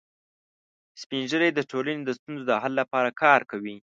سپین ږیری د ټولنې د ستونزو د حل لپاره کار کوي